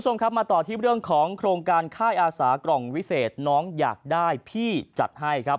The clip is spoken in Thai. มาต่อที่เรื่องของโครงการค่ายอาศากล่องวิเศษน้องอยากได้พี่จัดให้